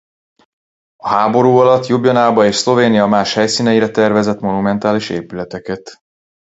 A háború alatt Ljubljanába és Szlovénia más helyszíneire tervezett monumentális épületeket.